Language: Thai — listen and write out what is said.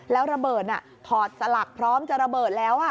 แล้วระเบิดถอดสลักพร้อมจะระเบิดแล้ว